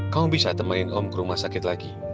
kamu bisa temanin om ke rumah sakit lagi